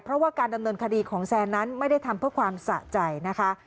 เพราะว่าการดำเนินคดีของแซนนั้นไม่ได้ทำเพื่อความสะใจนะคะ